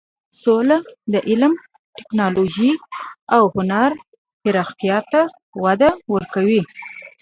سوله د علم، ټکنالوژۍ او هنر پراختیا ته وده ورکوي.